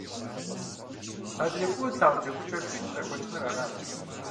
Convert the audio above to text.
Адрей фӀыуэ тлъагъу джэгукӀэр чын къехуэкӀыныр арат.